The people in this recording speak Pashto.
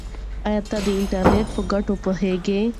آیا ته د انټرنیټ په ګټو پوهېږې؟